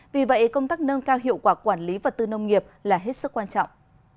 vì vậy công tác nâng cao hiệu quả quản lý vật tư nông nghiệp là hết sức quan trọng